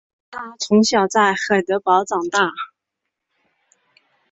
他从小在海德堡长大。